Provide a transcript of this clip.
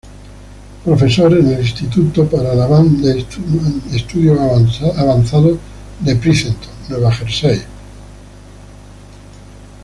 Profesor en el Institute for Advanced Study de Princeton, New Jersey.